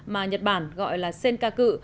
mà nhật bản gọi là senkaku